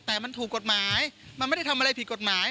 แต่มันถูกกฎหมายมันไม่ได้ทำอะไรผิดกฎหมาย